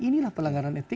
inilah pelanggaran etik